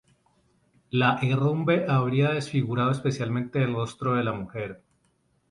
La herrumbre había desfigurado especialmente el rostro de la mujer.